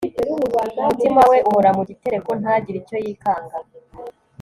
umutima we uhora mu gitereko, ntagire icyo yikanga